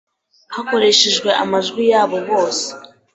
hakoreshejwe amajwi yabo bose,